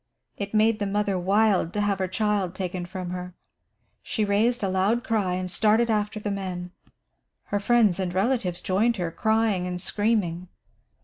It made the mother wild to have her child taken from her. She raised a loud cry and started after the men. Her friends and relatives joined her, crying and screaming.